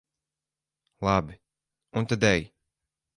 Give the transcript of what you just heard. Labi, un tad ej.